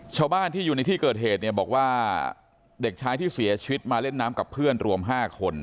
ชาวบ้านที่อยู่ในที่เกิดเหตุเนี่ยบอกว่าเด็กชายที่เสียชีวิตมาเล่นน้ำกับเพื่อนรวม๕คน